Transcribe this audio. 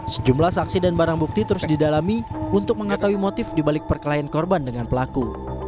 sejumlah saksi dan barang bukti terus didalami untuk mengetahui motif dibalik perkelahian korban dengan pelaku